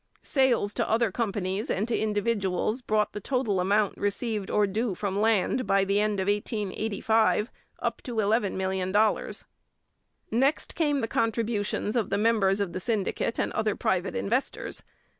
Sales to other companies and to individuals brought the total amount received or due from land by the end of 1885 up to $11,000,000. Next came the contributions of the members of the syndicate and other private investors.